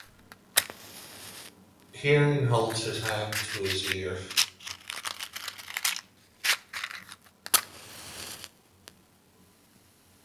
Hearing holds his hand to his ear.